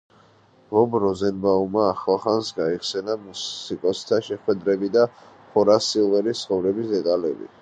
ბობ როზენბაუმა ახლახანს გაიხსენა მუსიკოსთან შეხვედრები და ჰორას სილვერის ცხოვრების დეტალები.